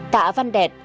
tạ văn đẹt